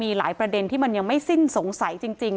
ไม่กลัวอะไรสักอย่างไม่กลัวไม่กลัวตำรวจจะจับ